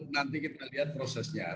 nanti kita lihat prosesnya